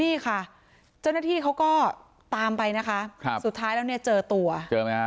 นี่ค่ะเจ้าหน้าที่เขาก็ตามไปนะคะครับสุดท้ายแล้วเนี่ยเจอตัวเจอไหมฮะ